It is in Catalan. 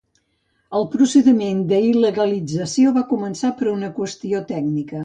El procediment d’il·legalització va començar per una qüestió tècnica.